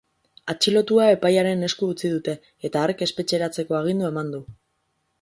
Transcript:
Atxilotua epailearen esku utzi dute, eta hark espetxeratzeko agindua eman du.